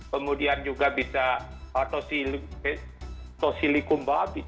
kemudian juga bisa tosilicum babi